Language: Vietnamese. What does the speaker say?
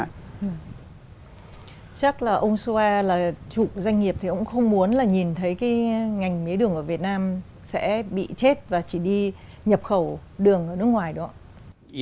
chắc là ông sua là chủ doanh nghiệp thì ông cũng không muốn là nhìn thấy cái ngành mía đường ở việt nam sẽ bị chết và chỉ đi nhập khẩu đường ở nước ngoài đúng không ạ